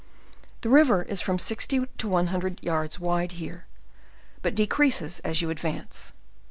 The river is from sixty to one hundred yards wide here, but decreases as you advailce.